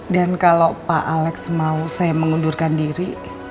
dan kalau pak alex mau saya mengundurkan diri